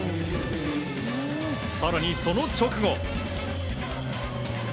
更に、その直後。